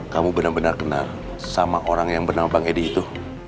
kamu benar benar kenal sama orang yang bernama bang edi itu